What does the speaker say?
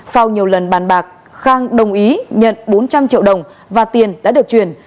sau nhiều lần bàn bạc khang đồng ý nhận bốn trăm linh triệu đồng và tiền đã được chuyển